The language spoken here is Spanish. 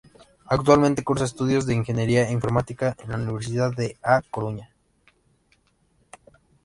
Actualmente cursa estudios de Ingeniería Informática en la Universidad de A Coruña.